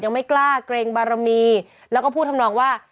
ยังไม่กล้าเกรงบารมีแล้วก็พูดทำนองว่า